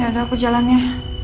ya udah aku jalannya